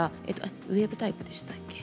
ウエーブタイプでしたっけ？